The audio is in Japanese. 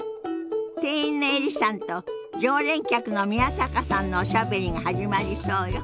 店員のエリさんと常連客の宮坂さんのおしゃべりが始まりそうよ。